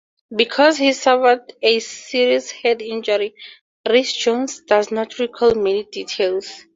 Because he suffered a serious head injury, Rees-Jones does not recall many details.